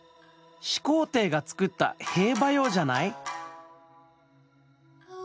始皇帝が作った兵馬俑じゃない？